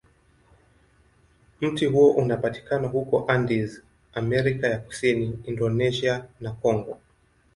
Mti huo unapatikana huko Andes, Amerika ya Kusini, Indonesia, na Kongo.